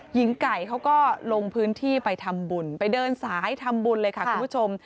หญิงไก่เขาก็ลงพื้นที่ไปทำบุญไปเดินสายทำบุญเลยค่ะคุณผู้ชม